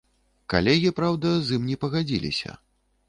Калегі, праўда, з ім не пагадзіліся.